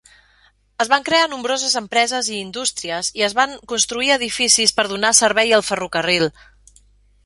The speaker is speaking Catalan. Es van crear nombroses empreses i indústries i es van construir edificis per donar servei al ferrocarril.